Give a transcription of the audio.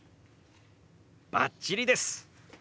バッチリです！